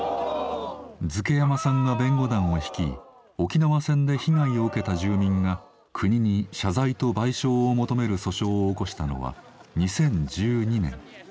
瑞慶山さんが弁護団を率い沖縄戦で被害を受けた住民が国に謝罪と賠償を求める訴訟を起こしたのは２０１２年。